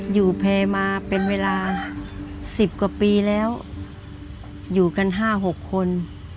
อยู่แพร่มาเป็นเวลา๑๐กว่าปีแล้วอยู่กัน๕๖คน